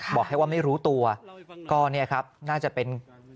บอกแค่ว่าไม่รู้ตัวก็เนี่ยครับน่าจะเป็น